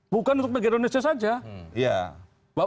bukan untuk negara indonesia saja